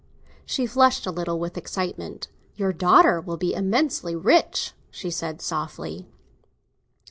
She flushed a little with excitement. "Your daughter will be immensely rich," she said softly.